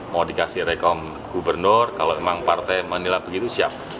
mau dikasih rekom gubernur kalau memang partai menilai begitu siap